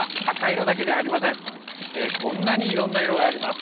こんなにいろんな色があります。